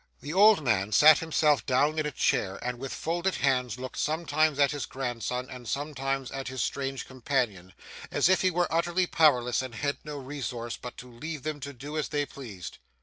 The old man sat himself down in a chair, and with folded hands, looked sometimes at his grandson and sometimes at his strange companion, as if he were utterly powerless and had no resource but to leave them to do as they pleased.